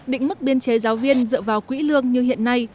định mức biên chế giáo viên dựa vào quỹ lương như hiện nay